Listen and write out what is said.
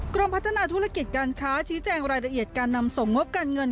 กรมพัฒนาธุรกิจการค้าชี้แจงรายละเอียดการนำส่งงบการเงิน